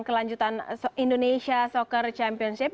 kelanjutan indonesia soccer championship